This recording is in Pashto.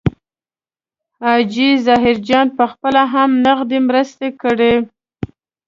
حاجي ظاهرجان پخپله هم نغدي مرستې کړي.